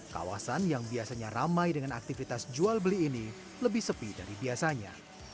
kawasan yang biasanya ramai dengan aktivitas jual beli ini lebih sepi dari biasanya